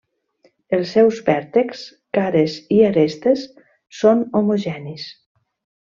Els seus vèrtexs, cares i arestes són homogenis.